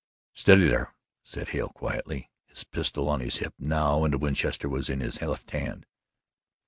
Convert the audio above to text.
"Steady there," said Hale quietly. His pistol was on his hip now and a Winchester was in his left hand.